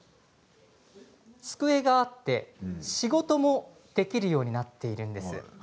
机があって仕事もできるようになっています。